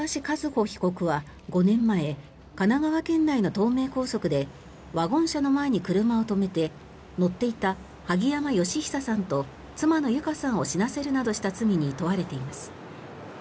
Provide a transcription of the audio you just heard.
和歩被告は５年前神奈川県内の東名高速でワゴン車の前に車を止めて乗っていた萩山嘉久さんと妻の友香さんを死なせるなどした罪に問われています。